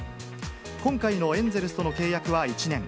今回のエンゼルスとの契約は１年。